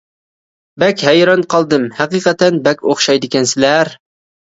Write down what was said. بەك ھەيران قالدىم ھەقىقەتەن بەك ئوخشايدىكەنسىلەر.